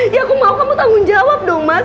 ya aku mau kamu tanggung jawab dong mas